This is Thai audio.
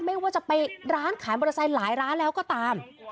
ไม่ว่าจะไปร้านขายมอเตอร์ไซค์หลายร้านแล้วก็ตาม